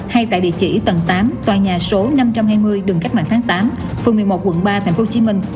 hay tại địa chỉ tầng tám tòa nhà số năm trăm hai mươi đường cách mạng tháng tám phường một mươi một quận ba tp hcm